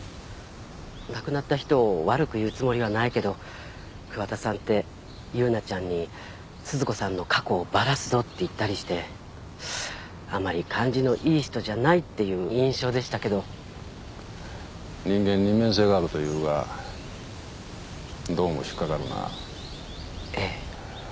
亡くなった人を悪く言うつもりはないけど桑田さんって優奈ちゃんに鈴子さんの過去をバラすぞって言ったりしてあまり感じのいい人じゃないっていう印象でしたけど人間二面性があるというがどうも引っ掛かるなええ